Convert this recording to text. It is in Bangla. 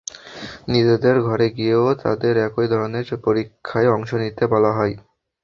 নিজেদের ঘরে গিয়েও তাঁদের একই ধরনের পরীক্ষায় অংশ নিতে বলা হয়।